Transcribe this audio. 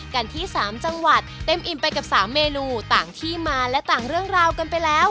กันที่๓จังหวัดเต็มอิ่มไปกับ๓เมนูต่างที่มาและต่างเรื่องราวกันไปแล้ว